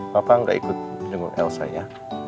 papa gak ikut jenguk elsa ya